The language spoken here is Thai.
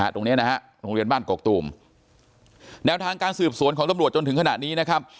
ตรงนี้นะฮะโรงเรียนบ้านกกตูมแนวทางการสืบสวนของตำรวจจนถึงขณะนี้นะครับ